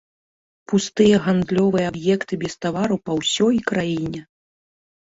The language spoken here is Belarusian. Пустыя гандлёвыя аб'екты без тавараў па ўсёй краіне.